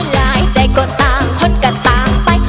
ใจก็ต่างคนก็ต่างไป